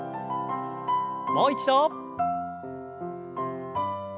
もう一度。